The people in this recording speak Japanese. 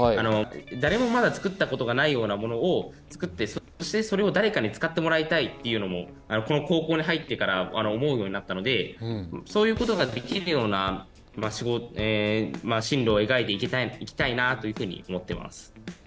誰もまだ作ったことがないようなものを作ってそしてそれを誰かに使ってもらいたいっていうのもこの高校に入ってから思うようになったのでそういうことができるような仕事進路を描いていきたいなというふうに思ってます。